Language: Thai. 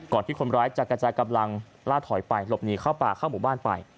ที่คนร้ายจะกระจายกำลังล่าถอยไปหลบหนีเข้าป่าเข้าหมู่บ้านไป